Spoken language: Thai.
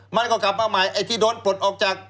มันก็กลับมาใหม่ไอ้ที่โดนปลดออกจาก